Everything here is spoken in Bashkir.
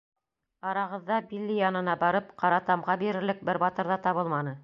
Арағыҙҙа Билли янына барып, ҡара тамға бирерлек бер батыр ҙа табылманы.